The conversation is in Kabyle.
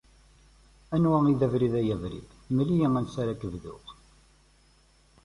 Anwa i d abrid ay abrid mel-iyi ansi ara ak-bduɣ.